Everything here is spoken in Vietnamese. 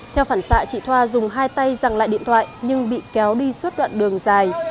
theo phản xạ chị thoa dùng hai tay rằng lại điện thoại nhưng bị kéo đi suốt đoạn đường dài